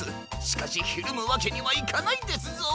しかしひるむわけにはいかないですぞ。